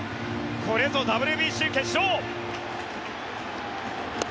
これぞＷＢＣ決勝！